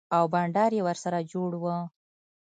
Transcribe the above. او بنډار يې ورسره جوړ و.